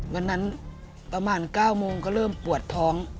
วันนั้นประมาณ๙โมงก็เริ่มปวดท้อง